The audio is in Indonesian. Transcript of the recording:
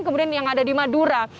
kemudian yang ada di madura